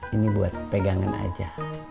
ini buat pegangan aja